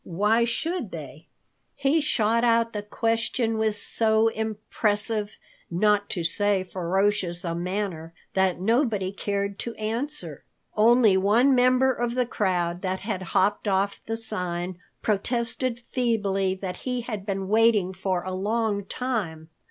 Why should they?" He shot out the question with so impressive, not to say ferocious a manner that nobody cared to answer. Only one member of the crowd that had hopped off the sign protested feebly that he had been waiting for a long time.